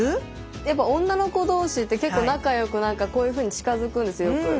やっぱ女の子同士って結構仲良くこういうふうに近づくんですよよく。